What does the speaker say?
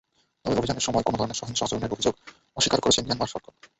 তবে অভিযানের সময় কোনো ধরনের সহিংস আচরণের অভিযোগ অস্বীকার করেছে মিয়ানমার সরকার।